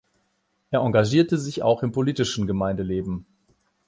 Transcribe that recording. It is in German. Er engagierte sich auch im politischen Gemeindeleben.